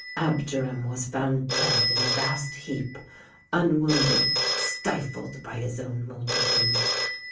Abderam was found dead in a vast heap, unwounded, stifled by his own multitude.